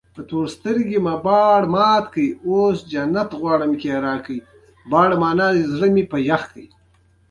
اوښ د افغانستان د طبعي سیسټم توازن ساتي.